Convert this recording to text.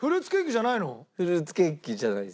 フルーツケーキじゃないの？